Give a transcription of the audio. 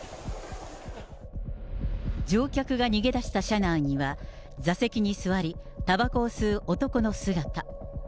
乗客が逃げ出した車内には、座席に座り、たばこを吸う男の姿。